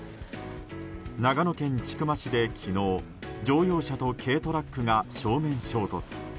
長野県千曲市で昨日乗用車と軽トラックが正面衝突。